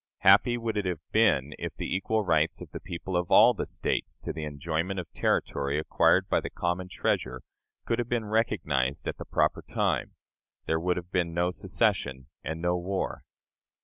Happy would it have been if the equal rights of the people of all the States to the enjoyment of territory acquired by the common treasure could have been recognized at the proper time! There would then have been no secession and no war.